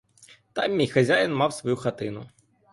Там мій хазяїн мав свою хатину.